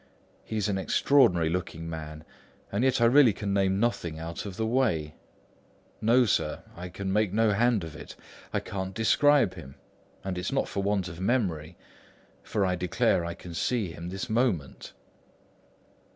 He's an extraordinary looking man, and yet I really can name nothing out of the way. No, sir; I can make no hand of it; I can't describe him. And it's not want of memory; for I declare I can see him this moment."